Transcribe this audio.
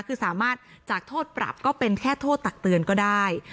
คือสามารถจากโทษปรับก็เป็นแค่โทษตักเตือนก็ได้